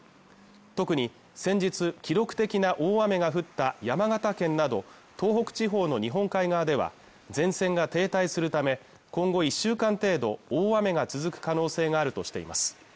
特に先日記録的な大雨が降った山形県など東北地方の日本海側では前線が停滞するため今後１週間程度大雨が続く可能性があるとしています